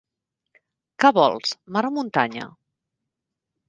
Què vols, mar o muntanya?